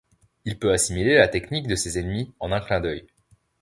Il peut assimiler la technique de ses ennemis en un clin d'œil.